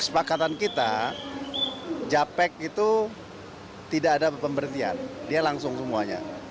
kesepakatan kita japek itu tidak ada pemberhentian dia langsung semuanya